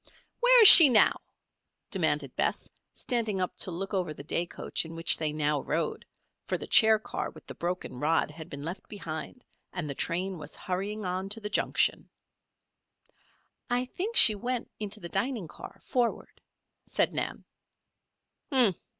"Where is she now?" demanded Bess, standing up to look over the day coach in which they now rode, for the chair car with the broken rod had been left behind and the train was hurrying on to the junction. "I think she went into the dining car, forward," said Nan.